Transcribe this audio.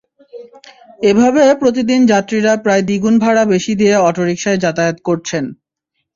এভাবে প্রতিদিন যাত্রীরা প্রায় দ্বিগুণ ভাড়া বেশি দিয়ে অটোরিকশায় যাতায়াত করছেন।